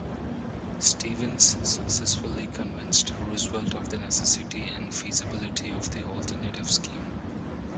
Stevens successfully convinced Roosevelt of the necessity and feasibility of the alternative scheme.